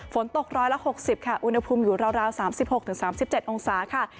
ฝนตก๑๖๐ค่ะอุณหภูมิอยู่ราว๓๖๓๗องศาค่ะ